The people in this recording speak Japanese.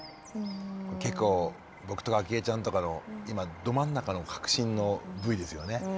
結構僕とかあきえちゃんとかの今ど真ん中の核心のＶですよね。